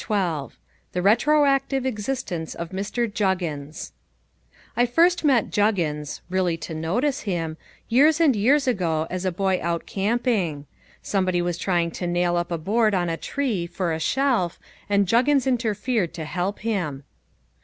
JUGGINS_ The Retroactive Existence of Mr. Juggins I FIRST met Juggins, really to notice him, years and years ago as a boy out camping. Somebody was trying to nail up a board on a tree for a shelf and Juggins interfered to help him.